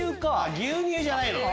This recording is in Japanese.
牛乳じゃないのね。